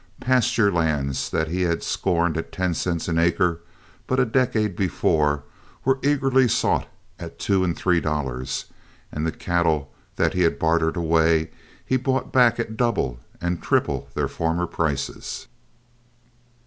Pasture lands that he had scorned at ten cents an acre but a decade before were eagerly sought at two and three dollars, and the cattle that he had bartered away he bought back at double and triple their former prices.